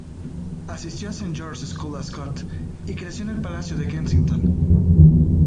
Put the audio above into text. Asistió a St George's School, Ascot y creció en el Palacio de Kensington.